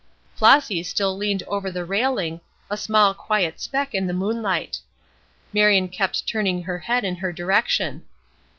Flossy still leaned over the railing, a small quiet speck in the moonlight. Marion kept turning her head in her direction.